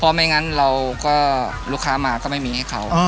เพราะไม่งั้นเราก็ลูกค้ามาก็ไม่มีให้เขา